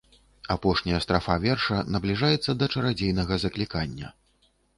Апошняя страфа верша набліжаецца да чарадзейнага заклікання.